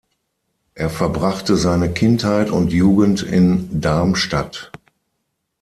Er verbrachte seine Kindheit und Jugend in Darmstadt.